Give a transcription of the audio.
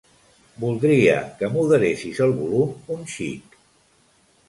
Voldria que moderessis el volum un xic.